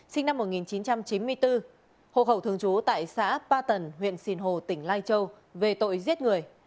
sinh năm một nghìn chín trăm chín mươi bốn hộ khẩu thường trú tại xã ba tần huyện sìn hồ tỉnh lai châu về tội giết người